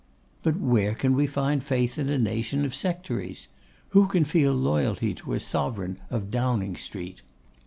'But where can we find faith in a nation of sectaries? Who can feel loyalty to a sovereign of Downing Street?